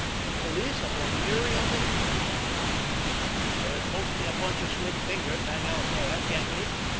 The police have been leery of it for a long while. There's mostly a bunch of slick fingers hang out there. Get me?